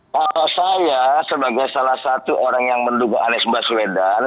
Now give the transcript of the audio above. kalau saya sebagai salah satu orang yang menduga anies baswedan